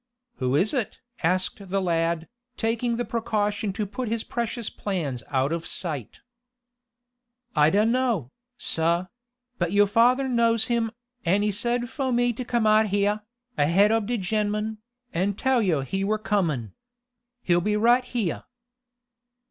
"Who is it?" asked the lad, taking the precaution to put his precious plans out of sight. "I dunno, sah; but yo' father knows him, an' he said fo' me to come out heah, ahead ob de gen'man, an' tell yo' he were comin'. He'll be right heah."